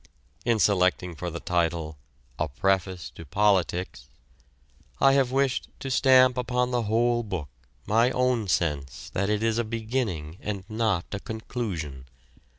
In selecting for the title "A Preface to Politics," I have wished to stamp upon the whole book my own sense that it is a beginning and not a conclusion.